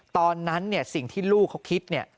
ตอนนั้นเนี่ยสิ่งที่ลูกเขาคิดเนี่ย